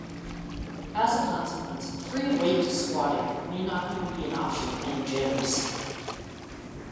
As a consequence, free-weight squatting may not even be an option at many gyms.